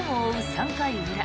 ３回裏。